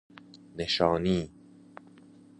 نشانی